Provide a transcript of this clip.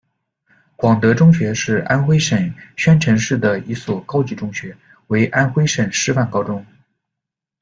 广德中学，是安徽省宣城市的一所高级中学，为安徽省示范高中。